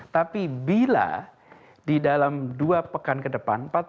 tapi bila di dalam dua pekan ke depan